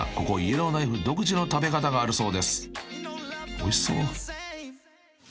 ［おいしそう］